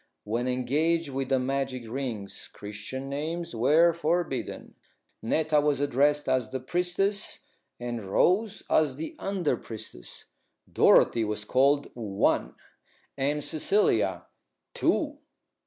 When engaged with the magic rings, Christian names were forbidden. Netta was addressed as the priestess and Rose as the under priestess; Dorothy was called One and Cecilia Two.